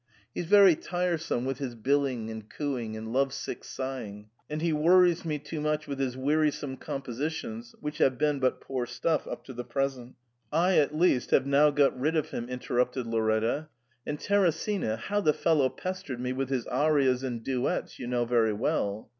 He's very tiresome with his billing and cooing and love sick sighing, and he worries me too much with his wearisome compositions, which have been but poor stuff up to the present' *I at least have now got rid of him,' interrupted Lauretta; *and Teresina, how the fellow pestered me with his arias and duets you know very well.'